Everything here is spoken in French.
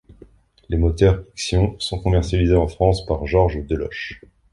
Les moteurs Ixion sont commercialisés en France par Georges Deloche.